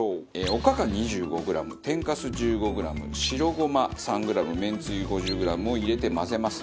おかか２５グラム天かす１５グラム白ごま３グラムめんつゆ５０グラムを入れて混ぜます。